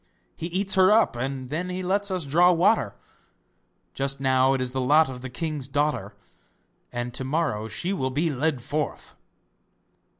He eats her up, and then he lets us draw water; just now it is the lot of the king's daughter, and to morrow she will be led forth.